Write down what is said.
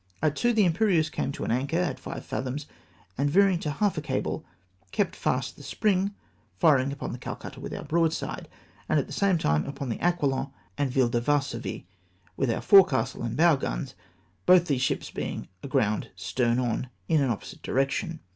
At 2 the Imperieuse came to an anchor in five fathoms ; and veering to half a cable, kept fast the spring, firing upon the Calcutta with our broadside, and at the same time upon the Aquilon and Ville cle Varsovie with our forecastle and bow guns, both these ships being aground stern on, in an opposite direction.